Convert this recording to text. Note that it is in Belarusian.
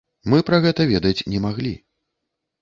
Мы пра гэта ведаць не маглі.